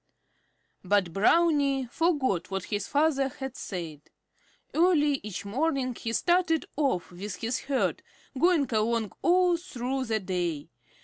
But Brownie forgot what his father had said. Early each morning he started off with his herd, going along all through the day.